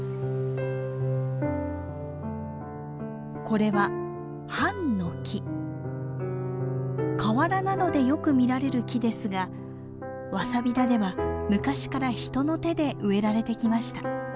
これは河原などでよく見られる木ですがワサビ田では昔から人の手で植えられてきました。